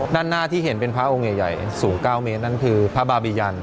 ด้านหน้าที่เห็นเป็นพระองค์ใหญ่สูง๙เมตรนั่นคือพระบาบียัน